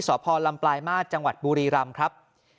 สพลำปลายมาตรจังหวัดบุรีรำครับ